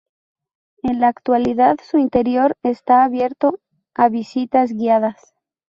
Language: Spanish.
En la actualidad su interior está abierto a visitas guiadas.